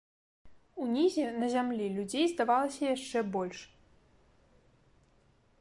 Унізе, на зямлі, людзей здавалася яшчэ больш.